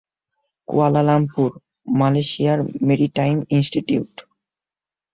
Kuala Lumpur: মালয়েশিয়ার maritime institute.